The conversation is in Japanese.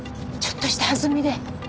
ちょっとしたはずみで。